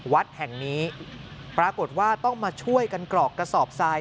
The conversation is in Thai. วัดแห่งนี้ปรากฏว่าต้องมาช่วยกันกรอกกระสอบทราย